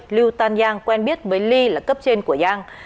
liêu tan giang quen biết với li là cấp trên của giang